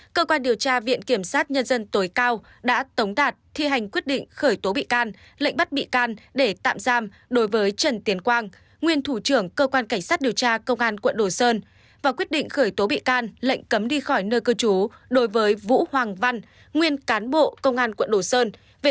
các bạn hãy đăng ký kênh để ủng hộ kênh của chúng mình nhé